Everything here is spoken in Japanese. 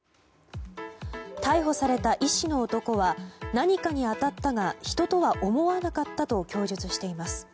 逮捕された医師の男は何かに当たったが人とは思わなかったと供述しています。